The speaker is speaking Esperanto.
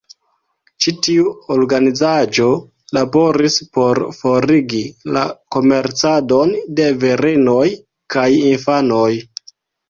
Ĉi tiu organizaĵo laboris por forigi la komercadon de virinoj kaj infanoj.